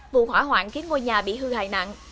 vụ hỏa hoạn khiến ngôi nhà bị hư hại nặng